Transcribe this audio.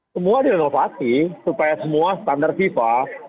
semua direnovasi supaya semua standar fifa